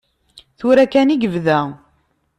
Tura kan i yebda.